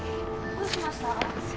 ・・どうしました？